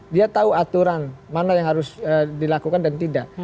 dia tahu aturan mana yang harus dilakukan dan tidak